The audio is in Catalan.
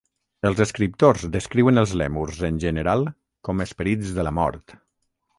Els escriptors descriuen els lèmurs en general com esperits de la mort.